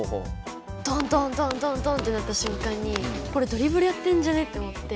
「ドンドンドンドンドン」ってなった瞬間にこれドリブルやってんじゃね？って思って。